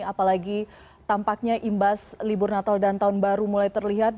apalagi tampaknya imbas libur natal dan tahun baru mulai terlihat